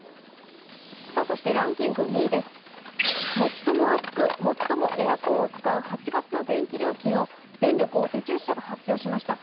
ランキング２位です、最も暑く、最もエアコンを使う電気料金を電力大手１０社が発表しました。